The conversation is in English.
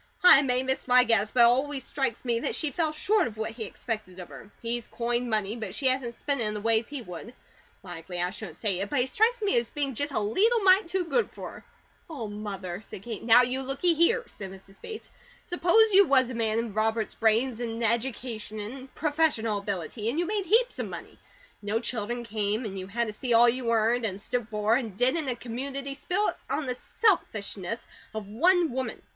I may miss my guess, but it always strikes me that she falls SHORT of what he expected of her. He's coined money, but she hasn't spent it in the ways he would. Likely I shouldn't say it, but he strikes me as being just a leetle mite too good for her." "Oh, Mother!" said Kate. "Now you lookey here," said Mrs. Bates. "Suppose you was a man of Robert's brains, and education, and professional ability, and you made heaps of money, and no children came, and you had to see all you earned, and stood for, and did in a community spent on the SELFISHNESS of one woman.